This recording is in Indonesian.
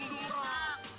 dung dung rog